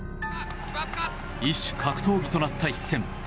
異種格闘技となった一戦。